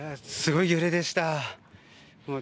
すごい揺れでした。